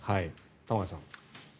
玉川さん。